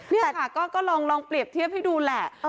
เนี้ยค่ะก็ก็ลองลองเปรียบเทียบให้ดูแหละเออ